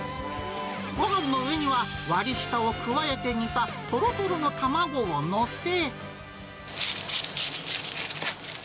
ごはんの上には、割り下を加えて煮たとろとろの卵を載せ。